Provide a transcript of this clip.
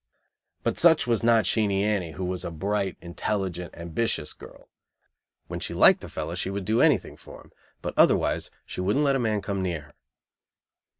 But such was not Sheenie Annie, who was a bright, intelligent, ambitious, girl; when she liked a fellow she would do anything for him, but otherwise she wouldn't let a man come near her.